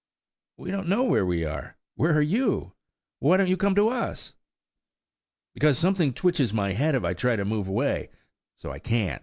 "We don't know where we are. Where are you? Why don't you come to us?" "Because something twitches my head if I try to move away; so I can't."